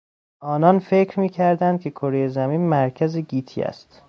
آنان فکر میکردند که کرهی زمین مرکز گیتی است.